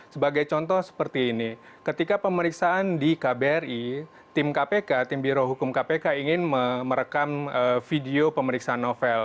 sebagai contoh seperti ini ketika pemeriksaan di kbri tim kpk tim birohukum kpk ingin merekam video pemeriksaan novel